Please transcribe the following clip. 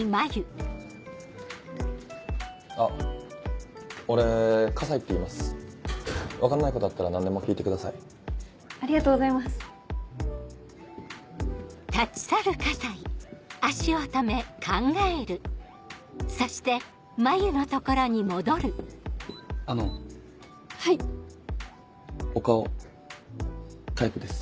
あ俺河西っていいます分かんないことあったら何でも聞いてくだありがとうございますお顔タイプです